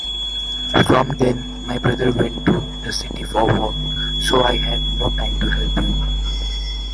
From then, my brother went to the city for work, so I had no time to help you.